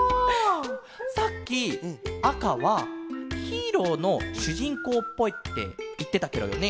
さっき「あかはヒーローのしゅじんこうっぽい」っていってたケロよね？